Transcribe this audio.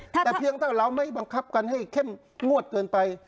แต่เพียงถ้าเราไม่บังคับกันให้เข้มงวดเกินไป